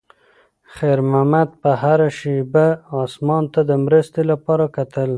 خیر محمد به هره شېبه اسمان ته د مرستې لپاره کتل.